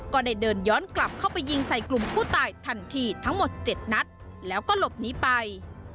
ก็ได้เดินย้อนกลับเข้าไปยิงใส่กลุ่มผู้ตายทันทีทั้งหมด๗นัดแล้วก็หลบหนีไป